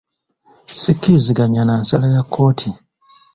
Sikkiriziganya na nsala ya kkooti.